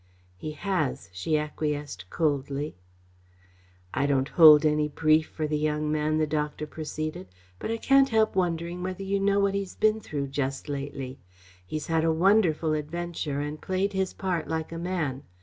"He has," she acquiesced coldly. "I don't hold any brief for the young man," the doctor proceeded, "but I can't help wondering whether you know what he's been through just lately. He's had a wonderful adventure and played his part like a man.